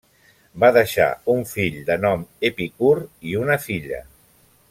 Va deixar un fill de nom Epicur i una filla.